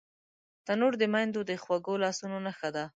تنور د میندو د خوږو لاسونو نښه ده